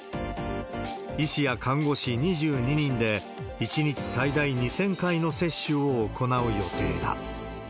医師や看護師２２人で、１日最大２０００回の接種を行う予定だ。